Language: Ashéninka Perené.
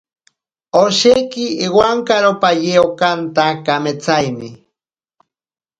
Osheki ewankaropaye okanta kametsaine.